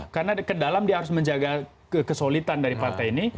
karena ke dalam dia harus menjaga kesolidan dari partai ini